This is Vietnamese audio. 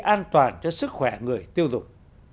an toàn cho sức khỏe người tiêu dục